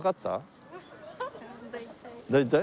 大体？